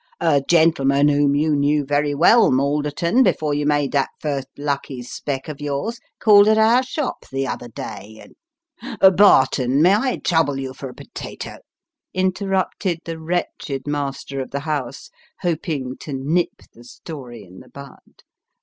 " A gentleman whom you knew very well, Malderton, before you made that first lucky spec of yours, called at our shop the other day, and " Barton, may I trouble you for a potato," interrupted the wretched master of the house, hoping to nip the story in the bud.